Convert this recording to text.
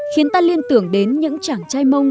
khiến ta liên tưởng đến những chàng trai mông